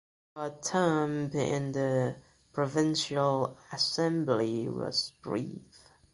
Her term in the provincial assembly was brief.